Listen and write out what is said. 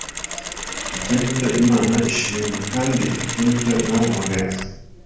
ibyo ni byo imana ishima: kandi ibyo ni byo mwahamagariwe,